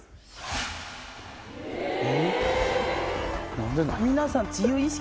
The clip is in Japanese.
何でなん？